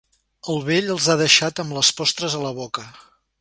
El vell els ha deixat amb les postres a la boca.